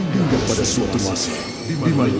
hingga pada suatu masa bimae legend bertambah kuat